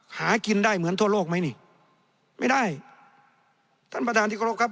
หากินได้เหมือนทั่วโลกไหมนี่ไม่ได้ท่านประธานที่กรบครับ